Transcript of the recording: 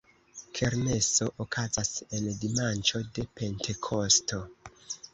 Kermeso okazas en dimanĉo de Pentekosto.